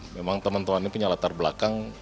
memang teman teman ini punya latar belakang